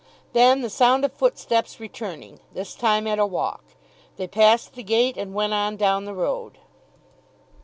Then the sound of footsteps returning, this time at a walk. They passed the gate and went on down the road.